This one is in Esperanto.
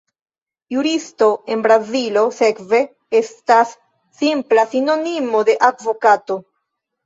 Juristo en Brazilo, sekve, estas simpla sinonimo de advokato.